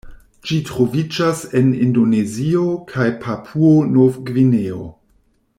Ĝi troviĝas en Indonezio kaj Papuo-Nov-Gvineo.